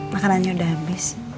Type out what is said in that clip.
makanannya udah habis